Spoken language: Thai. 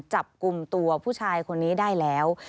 จับกลุ่มตัวผู้ชายคนนี้ได้แล้ว